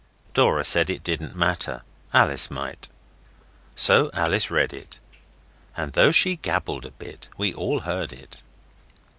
Dora said it didn't matter; Alice might. So Alice read it, and though she gabbled a bit we all heard it.